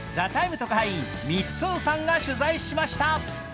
特派員、みっつんさんが取材しました。